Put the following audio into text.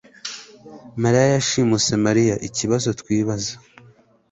mariya yashimuse Mariya ikibazo twibaza